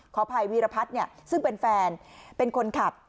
ขออภัยวีรพัฒน์ซึ่งเป็นแฟนเป็นคนขับ